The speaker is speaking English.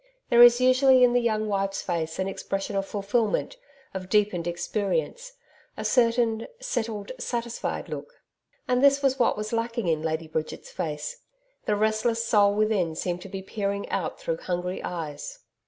There is usually in the young wife's face an expression of fulfilment, of deepened experience a certain settled, satisfied look. And this was what was lacking in Lady Bridget's face. The restless soul within seemed to be peering out through hungry eyes.